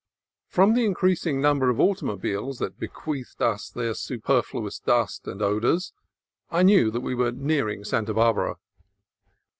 From the increasing number of automobiles that bequeathed us their superfluous dust and odors, I knew that we were nearing Santa Barbara.